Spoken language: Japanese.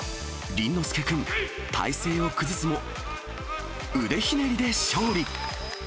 倫之亮君、体勢を崩すも、腕ひねりで勝利。